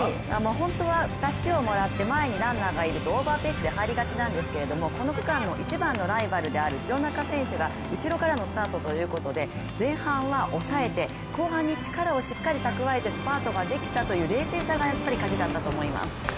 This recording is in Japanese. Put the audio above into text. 本当はたすきをもらって前に選手がいると、オーバーペースで入りがちなんですけれどもこの区間の一番のライバルである廣中選手が後半からということで前半は抑えて、後半に力をしっかり蓄えてスパートができたという冷静さがカギだったと思います。